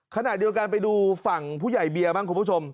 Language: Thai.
ขณะเดียวกันไปดูฝั่งผู้ใหญ่เบียร์บ้างคุณผู้ชม